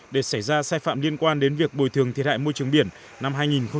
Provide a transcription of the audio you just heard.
để xảy ra sai phạm liên quan đến việc bồi thường thiệt hại môi trường biển năm hai nghìn một mươi chín